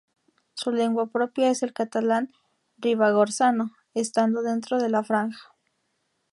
Su lengua propia es el catalán ribagorzano, estando dentro de la Franja.